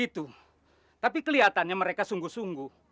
tapi kelihatannya mereka sungguh sungguh